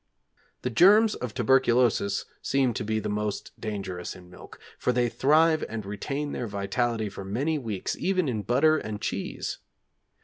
The germs of tuberculosis seem to be the most dangerous in milk, for they thrive and retain their vitality for many weeks, even in butter and cheese.